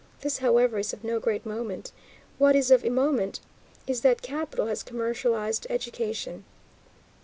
This, however, is of no great moment. What is of moment is that capital has commercialized education.